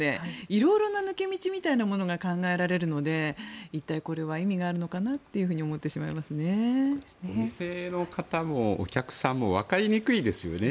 色々な抜け道みたいなものが考えられるので一体、これは意味があるのかなとお店の方もお客さんもわかりにくいですよね。